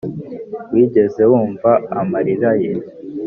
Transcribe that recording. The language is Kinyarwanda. wigeze wumva amarira ye